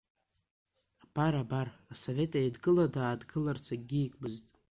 Абар, абар Асовет Еидгыла даадгыларц акгьы игмызт.